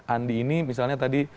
andi ini misalnya tadi